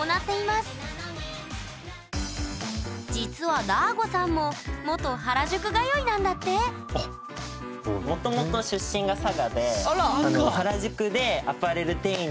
実はだーごさんも元原宿通いなんだってもともと佐賀！